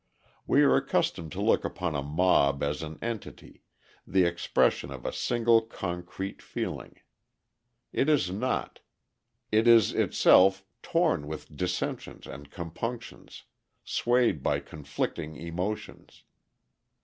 We are accustomed to look upon a mob as an entity, the expression of a single concrete feeling; it is not; it is itself torn with dissensions and compunctions, swayed by conflicting emotions.